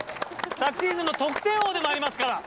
昨シーズンの得点王でもありますから。